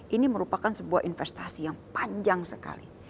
ini merupakan sebuah investasi yang panjang sekali